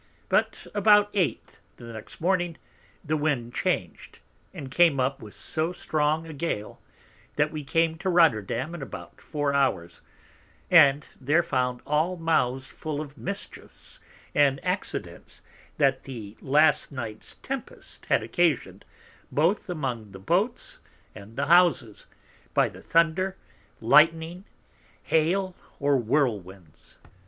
But about 8 the next Morning the Wind changed, and came up with so strong a Gale, that we came to Rotterdam in about 4 Hours, and there found all Mouths full of the Mischiefs and Accidents that the last Night's Tempest had occasioned both among the Boats and the Houses, by the Thunder, Lightning, Hail, or Whirlwinds.